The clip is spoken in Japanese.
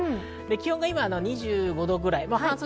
気温は今２５度くらい。